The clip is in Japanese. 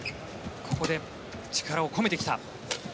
ここで力を込めてきた。